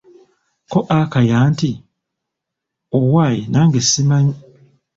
Ko Akaya nti:"owaye nange simanyi'